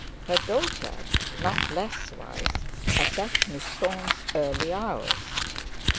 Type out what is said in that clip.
Her daughter, not less wise, attacked Miss Thorne's early hours.